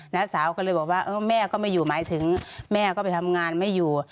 สาวก็เลยบอกว่าแม่ก็ไม่อยู่หมายถึงแม่ก็ไปทำงานไม่อยู่